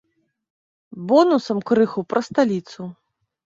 Бонусам крыху пра сталіцу.